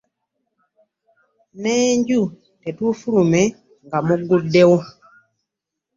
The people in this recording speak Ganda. N'enju tetuufulume nga mmugguddewo